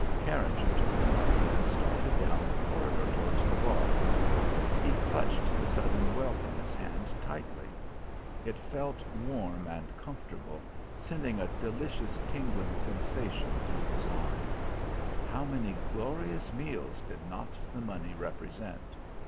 Carringer took the money and started down the corridor towards the bar. He clutched the sudden wealth in his hand tightly. It felt warm and comfortable, sending a delicious tingling sensation through his arm. How many glorious meals did not the money represent?